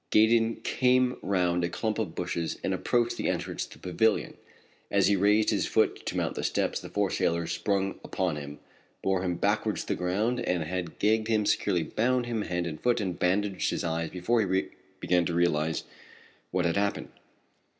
Gaydon came round a clump of bushes and approached the entrance to the pavilion. As he raised his foot to mount the steps the four sailors sprang upon him, bore him backwards to the ground, and had gagged him, securely bound him hand and foot, and bandaged his eyes before he began to realize what had happened.